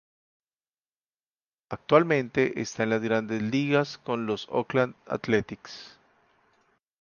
Actualmente está en las grandes ligas con los Oakland Athletics.